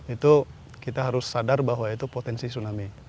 itu kita harus sadar bahwa itu potensi tsunami